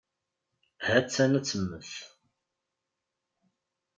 Ha-tt-an ad temmet.